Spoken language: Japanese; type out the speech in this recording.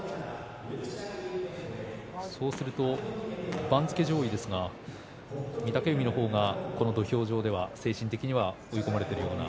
そうすると番付上位ですが御嶽海の方がこの土俵上では精神的には追い込まれているような。